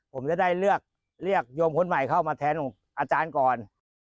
ผมจะได้เลือกโยมคนใหม่เข้ามาแทนของอาจารย์ก่อน